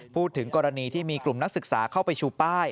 พูดถึงกรณีที่มีกลุ่มนักศึกษาเข้าไปชูป้าย